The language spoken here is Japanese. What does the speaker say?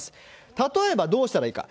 例えばどうしたらいいか。